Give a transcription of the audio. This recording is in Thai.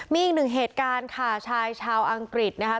มีอีกหนึ่งเหตุการณ์ค่ะชายชาวอังกฤษนะคะ